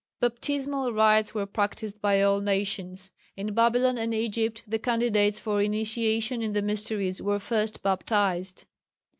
Baptismal rites were practised by all nations. In Babylon and Egypt the candidates for initiation into the Mysteries were first baptized.